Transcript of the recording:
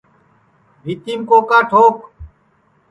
بھِیتِیم کوکا ٹھوک